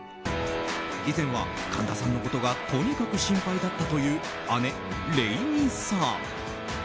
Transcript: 以前は神田さんのことがとにかく心配だったという姉・れいみさん。